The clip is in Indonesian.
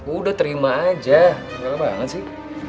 udah terima aja banget sih